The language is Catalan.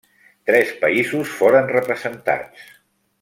Tres països foren representats.